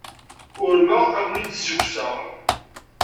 Urmeɣ ad ken-id-ssukkseɣ.